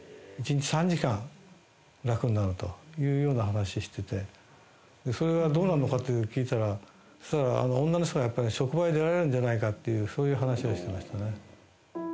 １日３時間、楽になるというような話してて、それがどうなんのかって聞いたら、したら、女の人がやっぱ、職場に出られるんじゃないかっていう、そういう話をしてましたね。